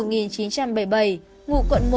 ngụ quận một